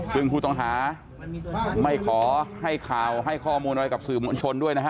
ซึ่งผู้ต้องหาไม่ขอให้ข่าวให้ข้อมูลอะไรกับสื่อมวลชนด้วยนะฮะ